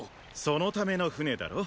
そのための舟だろ。